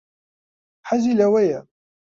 حەزی لەوەیە.